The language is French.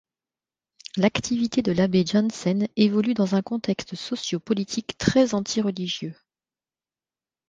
L'activité de l'abbé Janssen évolue dans un contexte socio-politique très anti-religieux.